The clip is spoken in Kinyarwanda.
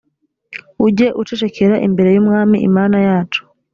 ujye ucecekera imbere y umwami imana yacu